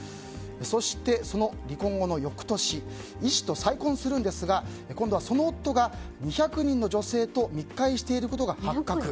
そして、その離婚後の翌年医師と再婚するんですが今度はその夫が２００人の女性と密会していることが発覚。